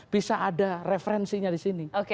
bisa ada referensinya di sini